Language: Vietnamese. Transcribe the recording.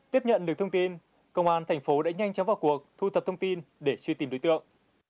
tiếp nhận được thông tin công an thành phố đã nhanh chóng vào cuộc thu thập thông tin để truy tìm đối tượng